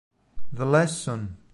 The Lesson